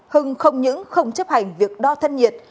hưng không những không chấp hành việc đo thân nhiệt